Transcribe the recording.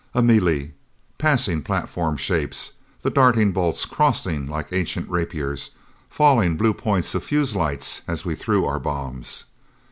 A melee. Passing platform shapes. The darting bolts, crossing like ancient rapiers. Falling blue points of fuse lights as we threw our bombs.